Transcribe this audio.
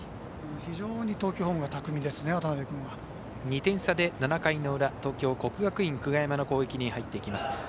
非常に投球フォームが２点差で７回の裏東京、国学院久我山の攻撃に入っていきます。